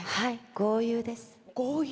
豪遊です。